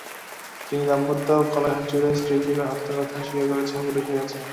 তিনি দাম্পত্য কলহের জেরে স্ত্রীকে হত্যার কথা স্বীকার করেছেন পুলিশের কাছে।